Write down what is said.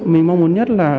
mình mong muốn nhất là